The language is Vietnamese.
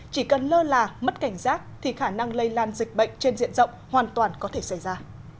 chỉ cần lơ là mất cảnh giác thì khả năng lây lan dịch bệnh trên diện rộng hoàn toàn có thể xảy ra